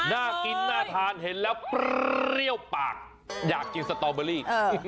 น่ากินน่าทานเห็นแล้วเปรี้ยวปากอยากกินสตอเบอรี่